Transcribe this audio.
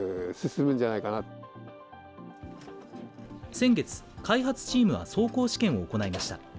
先月、開発チームは走行試験を行いました。